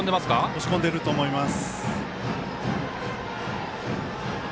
押し込んでいると思います。